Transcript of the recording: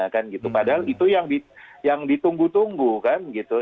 padahal itu yang ditunggu tunggu